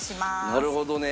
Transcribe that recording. なるほどね。